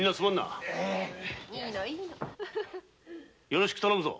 よろしく頼むぞ。